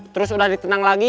terus sudah ditenang lagi